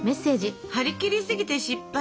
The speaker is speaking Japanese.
「はりきりすぎて失敗。